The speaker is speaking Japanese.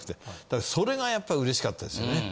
だからそれがやっぱり嬉しかったですよね。